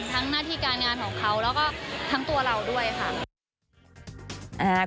หน้าที่การงานของเขาแล้วก็ทั้งตัวเราด้วยค่ะ